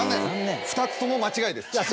２つとも間違いです。